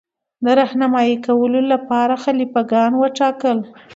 د رهنمايي کولو لپاره خلیفه ګان وټاکل.